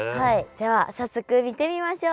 では早速見てみましょう。